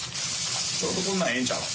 ちょうどこんなんええんちゃう？